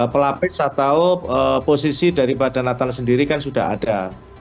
pelapis atau posisi daripada natal sendiri kan sudah ada